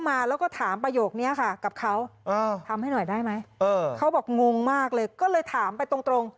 มึงถามเจ็บไหมเหรอ